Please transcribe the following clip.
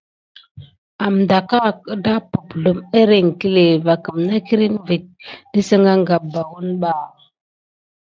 Amteke dà pukzlumo émet iŋkle va midikine ho kirni mà delulani ba va midikiba.